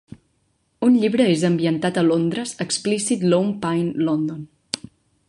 Un llibre és ambientat a Londres, l'explícit "Lone Pine London".